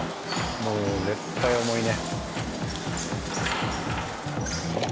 もう絶対重いね。